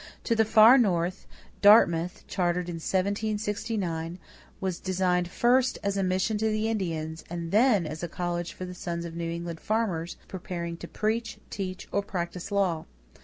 To the far North, Dartmouth, chartered in 1769, was designed first as a mission to the Indians and then as a college for the sons of New England farmers preparing to preach, teach, or practice law.